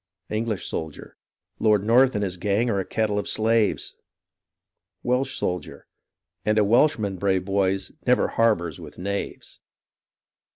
English Soldier Lord North and his gang are a kennel of slaves. Welsh Soldier And a Welshman, prave poys, never harbours with knaves.